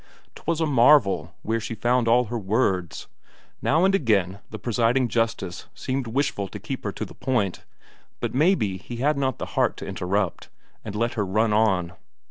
'Twas a marvel where she found all her words. Now and again the presiding justice seemed wishful to keep her to the point, but maybe he had not the heart to interrupt, and let her run on.